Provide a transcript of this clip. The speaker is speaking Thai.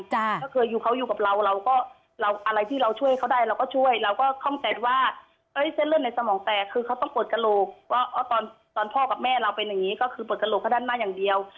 ก็คือเขาอยู่กับเราเราก็เราอะไรที่เราช่วยเขาได้เราก็ช่วยเราก็คล่องใจว่าเส้นเลือดในสมองแตกคือเขาต้องเปิดกระโหลกว่าตอนพ่อกับแม่เราเป็นอย่างนี้ก็คือปวดกระโหลกเขาด้านหน้าอย่างเดียว